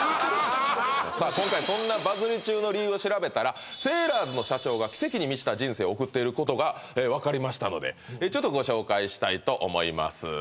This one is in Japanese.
今回そんなバズり中の理由を調べたらセーラーズの社長が奇跡に満ちた人生を送っていることが分かりましたのでちょっとご紹介したいと思います